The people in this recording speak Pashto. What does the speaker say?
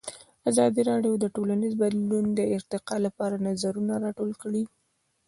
ازادي راډیو د ټولنیز بدلون د ارتقا لپاره نظرونه راټول کړي.